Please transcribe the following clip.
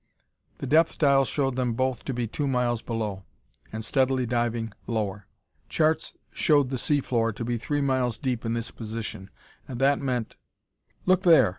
The depth dial showed them both to be two miles below, and steadily diving lower. Charts showed the sea floor to be three miles deep in this position, and that meant "Look there!"